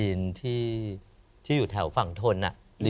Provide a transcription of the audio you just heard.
โปรดติดตามต่อไป